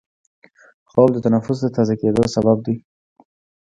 خوب د نفس د تازه کېدو سبب دی